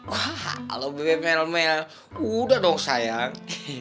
wah halo bebe melmel udah dong sayang